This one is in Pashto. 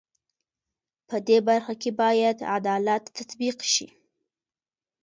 په دې برخه کې بايد عدالت تطبيق شي.